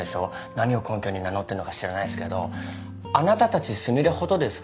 何を根拠に名乗ってんのか知らないっすけどあなたたち純恋ほどですか？